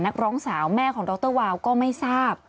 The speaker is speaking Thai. นักร้องสาวแม่ของดรวาวก็ไม่ทราบ